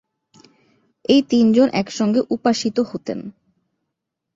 এই তিনজন একসঙ্গে উপাসিত হতেন।